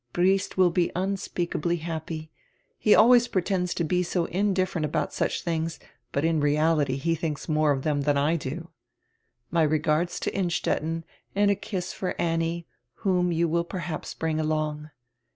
Briest will be unspeakably happy. He always pretends to be so indifferent about such tilings, but in reality he diinks more of them dian I do. My regards to Innstetten, and a kiss for Annie, whom you will perhaps bring along.